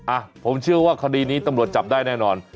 อ่ะผมเชื่อว่าคดีนี้ตำรวจจับได้แน่นอน